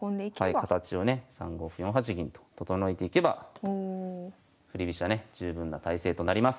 形をね３五歩４八銀と整えていけば振り飛車ね十分な態勢となります。